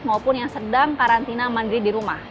maupun yang sedang karantina mandiri di rumah